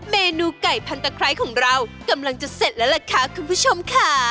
เมนูไก่พันตะไคร้ของเรากำลังจะเสร็จแล้วล่ะค่ะคุณผู้ชมค่ะ